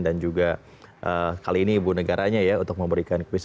dan juga kali ini ibu negaranya ya untuk memberikan kuis